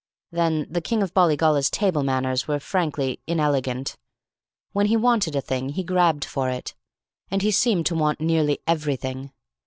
Then the King of Bollygolla's table manners were frankly inelegant. When he wanted a thing, he grabbed for it. And he seemed to want nearly everything.